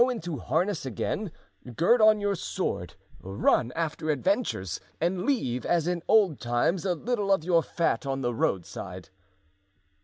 "Go into harness again, gird on your sword, run after adventures, and leave as in old times a little of your fat on the roadside."